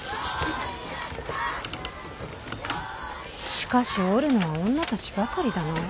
しかしおるのは女たちばかりだな。